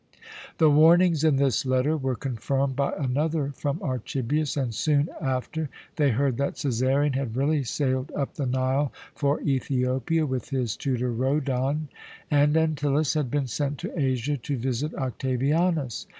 The warnings in this letter were confirmed by another from Archibius, and soon after they heard that Cæsarion had really sailed up the Nile for Ethiopia with his tutor Rhodon, and Antyllus had been sent to Asia to visit Octavianus.